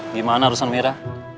gimana ruslan wira